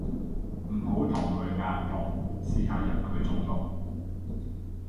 唔好同佢硬碰，試下入佢中路